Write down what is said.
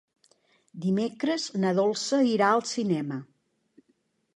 Dimecres na Dolça irà al cinema.